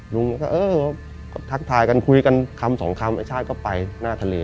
ลุงก็เออทักทายกันคุยกันคำสองคำไอ้ชาติก็ไปหน้าทะเล